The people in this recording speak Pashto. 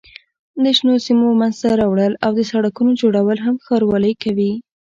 د شنو سیمو منځته راوړل او د سړکونو جوړول هم ښاروالۍ کوي.